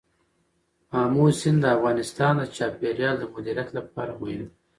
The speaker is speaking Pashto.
آمو سیند د افغانستان د چاپیریال د مدیریت لپاره مهم دی.